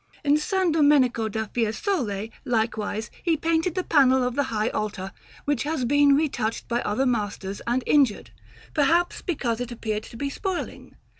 In S. Domenico da Fiesole, likewise, he painted the panel of the high altar, which has been retouched by other masters and injured, perchance because it appeared to be spoiling.